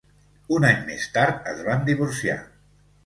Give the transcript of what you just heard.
Un any més tard es van divorciar.